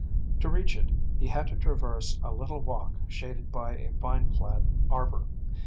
To reach it he had to traverse a little walk shaded by a vineclad arbor.